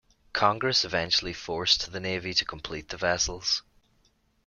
Congress eventually forced the Navy to complete the vessels.